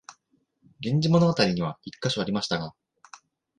「源氏物語」には一カ所ありましたが、